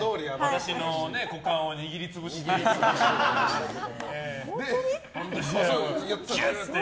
私の股間を握りつぶして。